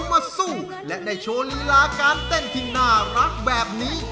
มาสู้และได้โชว์ลีลาการเต้นที่น่ารักแบบนี้